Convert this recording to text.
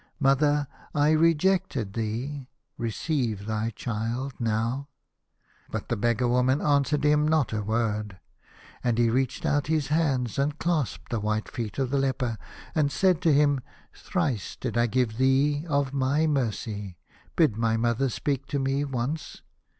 Mother, I rejected thee. Receive thy child now." But the beggar woman answered him not a word. And he reached out his hands, and clasped the white feet of the leper, and said to him :" Thrice did I give thee of my mercy. Bid my mother speak to me once."